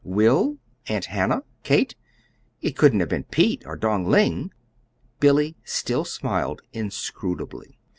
Will? Aunt Hannah? Kate? It couldn't have been Pete, or Dong Ling!" Billy still smiled inscrutably.